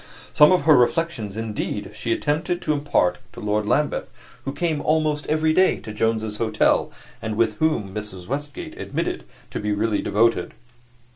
Some of her reflections, indeed, she attempted to impart to Lord Lambeth, who came almost every day to Jones's Hotel, and whom Mrs. Westgate admitted to be really devoted.